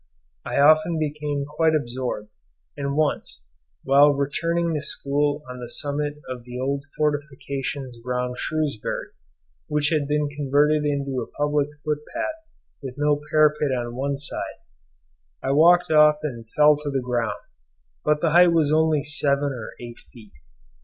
I often became quite absorbed, and once, whilst returning to school on the summit of the old fortifications round Shrewsbury, which had been converted into a public foot path with no parapet on one side, I walked off and fell to the ground, but the height was only seven or eight feet.